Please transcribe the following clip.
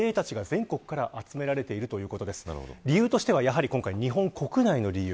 理由としては日本国内の理由。